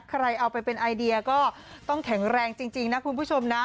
ใครเอาไปเป็นไอเดียก็ต้องแข็งแรงจริงนะคุณผู้ชมนะ